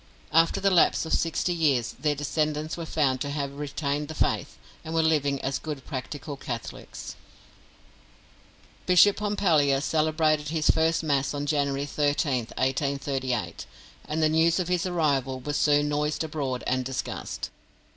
After the lapse of sixty years their descendents were found to have retained the faith, and were living as good practical Catholics. Bishop Pompallier celebrated his first Mass on January 13th, 1838, and the news of his arrival was soon noised abroad and discussed.